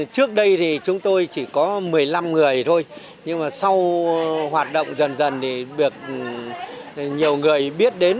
trước đây thì chúng tôi chỉ có một mươi năm người thôi nhưng mà sau hoạt động dần dần thì được nhiều người biết đến